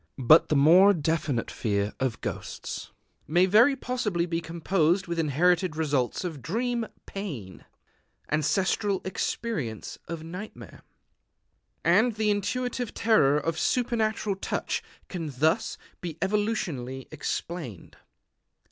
But the more definite fear of ghosts may very possibly be composed with inherited results of dream pain, ancestral experience of nightmare. And the intuitive terror of supernatural touch can thus be evolutionally explained.